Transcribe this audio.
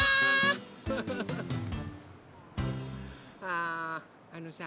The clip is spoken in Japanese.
ああのさ